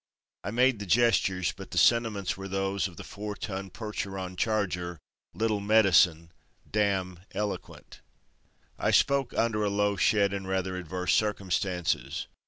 I made the gestures, but the sentiments were those of the four ton Percheron charger, Little Medicine, dam Eloquent. I spoke under a low shed and rather adverse circumstances.